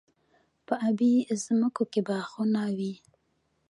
په ابی ځمکو کې باغونه وي.